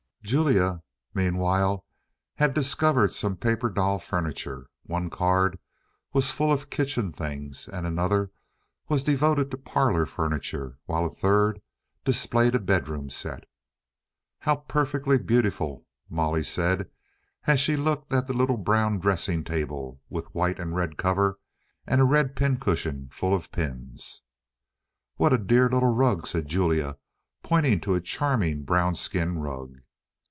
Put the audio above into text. Julia, meanwhile, had discovered some paper doll furniture. One card was full of kitchen things, and another was devoted to parlour furniture, while a third displayed a bedroom set. "How perfectly beautiful!" Molly said, as she looked at the little brown dressing table with white and red cover and the red pin cushion full of pins. "What a dear little rug!" said Julia, pointing to a charming brown skin rug.